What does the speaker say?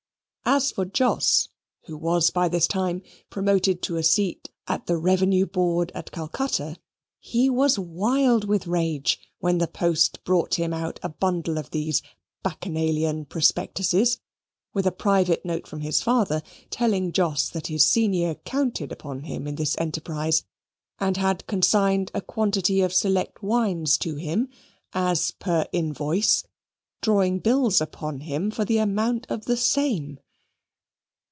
As for Jos, who was by this time promoted to a seat at the Revenue Board at Calcutta, he was wild with rage when the post brought him out a bundle of these Bacchanalian prospectuses, with a private note from his father, telling Jos that his senior counted upon him in this enterprise, and had consigned a quantity of select wines to him, as per invoice, drawing bills upon him for the amount of the same.